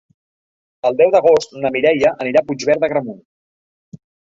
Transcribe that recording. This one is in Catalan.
El deu d'agost na Mireia anirà a Puigverd d'Agramunt.